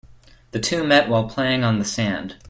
The two met while playing on the sand.